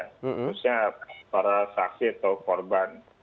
khususnya para saksi atau korban